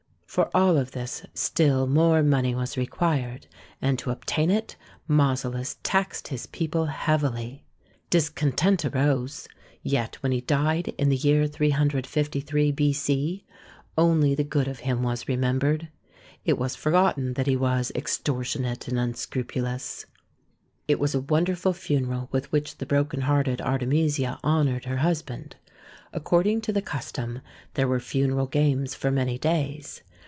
For all of this still more money was re THE TOMB OF KING MAUSOLUS 133 quired, and to obtain it Mausolus taxed his people heavily. Discontent arose, yet when he died in the year 353 B.C., only the good of him was remem bered. It was forgotten that he was extortionate and unscrupulous. It was a wonderful funeral with which the broken hearted Artemisia honoured her husband. According to the custom there were funeral games for many days.